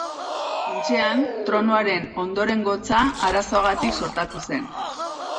Funtsean, tronuaren ondorengotza arazoagatik suertatu zen.